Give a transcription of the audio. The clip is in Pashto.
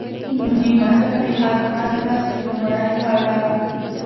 نو د متن د ښځمن لوست لومړى پړاو